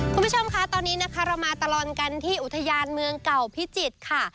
คุณผู้ชมค่ะตอนนี้นะคะเรามาตลอดกันที่อุทยานเมืองเก่าพิจิตรค่ะ